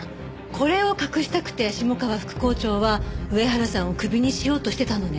これを隠したくて下川副校長は上原さんをクビにしようとしてたのね。